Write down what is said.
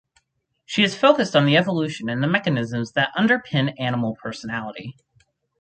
She has focussed on the evolution of and mechanisms that underpin animal personality.